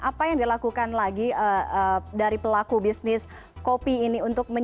apa yang dilakukan lagi dari pelaku bisnis kopi ini